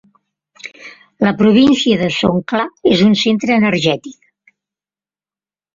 La província de Songkhla és un centre energètic.